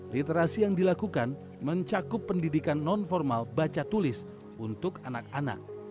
literasi yang dilakukan mencakup pendidikan non formal baca tulis untuk anak anak